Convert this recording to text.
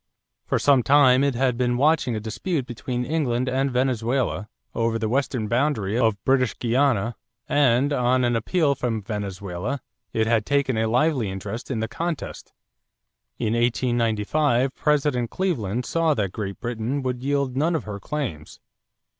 For some time it had been watching a dispute between England and Venezuela over the western boundary of British Guiana and, on an appeal from Venezuela, it had taken a lively interest in the contest. In 1895 President Cleveland saw that Great Britain would yield none of her claims.